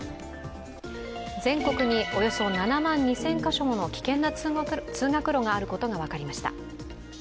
全国におよそ７万２０００カ所もの危険な通学路があることが分かりました。